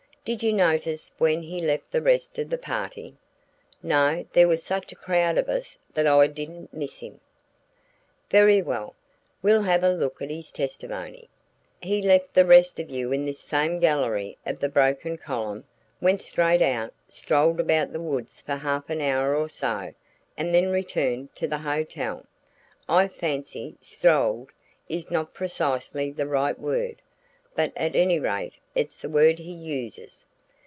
Did you notice when he left the rest of the party?" "No, there was such a crowd of us that I didn't miss him." "Very well, we'll have a look at his testimony. He left the rest of you in this same gallery of the broken column, went straight out, strolled about the woods for half an hour or so and then returned to the hotel. I fancy 'strolled' is not precisely the right word, but at any rate it's the word he uses.